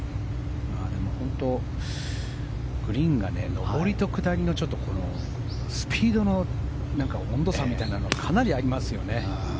でも本当、グリーンが上りと下りのこのスピードの温度差みたいなのはかなりありますよね。